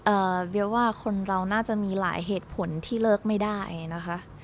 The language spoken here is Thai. เบียว่าคนเราน่าจะมีหลายเหตุผลที่เลิกไม่ได้นะคะ